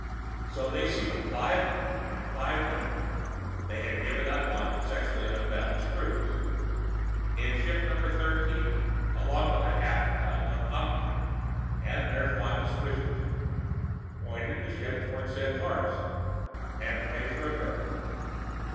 So they sealed five men and five women they had given up on sexually unbalanced crews in ship Number Thirteen, along with half a ton of Omnidrene and their fondest wishes, pointed the ship towards Centaurus, and prayed for a miracle.